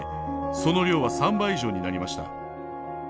その量は３倍以上になりました。